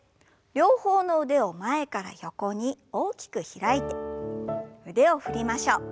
両方の腕を前から横に大きく開いて腕を振りましょう。